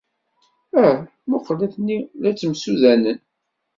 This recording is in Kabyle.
Ah, mmuqqel, atni la ttemsudanen!